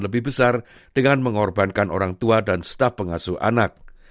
lebih besar dengan mengorbankan orang tua dan staf pengasuh anak